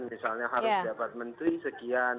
misalnya harus dapat menteri sekian